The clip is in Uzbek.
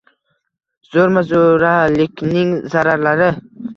Zo‘rma-zo‘rakilikning zararlari